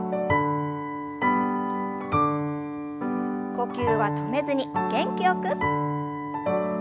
呼吸は止めずに元気よく。